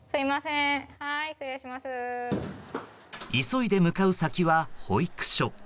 急いで向かう先は保育所。